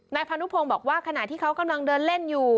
พานุพงศ์บอกว่าขณะที่เขากำลังเดินเล่นอยู่